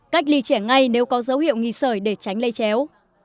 cách ly trẻ ngay nếu có dấu hiệu nghi sởi để tránh lây chéo